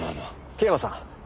桂馬さん。